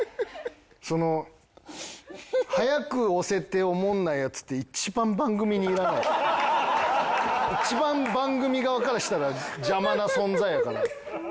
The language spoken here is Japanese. その早く押せておもんないヤツって一番番組側からしたら邪魔な存在やから。